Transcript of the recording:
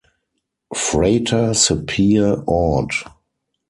Frater Sapere Aude.